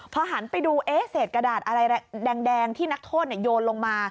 พอหันไปดูเศษกระดาษอะไรแดงที่นักโทษโยนลงมา